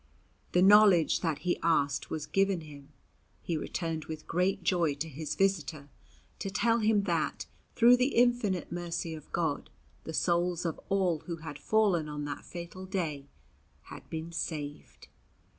The knowledge that he asked was given him; he returned with great joy to his visitor to tell him that, through the infinite mercy of God, the souls of all who had fallen on that fatal day had been saved.